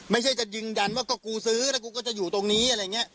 ไม่ใช่จะยืนยันว่าก็กูซื้อแล้วกูก็จะอยู่ตรงนี้อะไรอย่างนี้